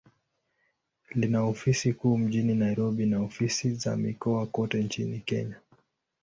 Lina ofisi kuu mjini Nairobi, na ofisi za mikoa kote nchini Kenya.